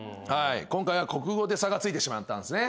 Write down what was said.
今回は国語で差がついてしまったんですね。